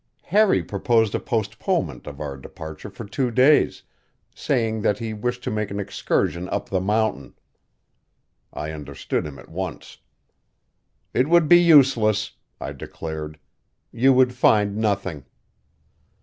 Harry proposed a postponement of our departure for two days, saying that he wished to make an excursion up the mountain. I understood him at once. "It would be useless," I declared. "You would find nothing."